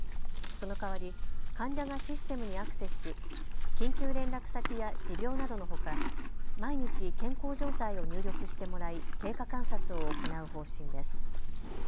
その代わり患者がシステムにアクセスし緊急連絡先や持病などのほか毎日、健康状態を入力してもらい経過観察を行う方針です。